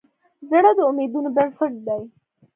زړه د امیدونو بنسټ دی.